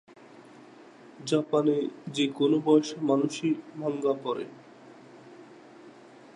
জাপানে যেকোন বয়সের মানুষই মাঙ্গা পড়ে।